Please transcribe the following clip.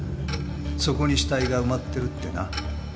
そこに死体が埋まってるってな。